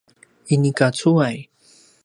inika cuway